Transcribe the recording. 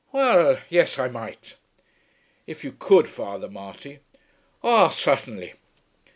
"Well, yes, I might." "If you could, Father Marty " "Oh, certainly."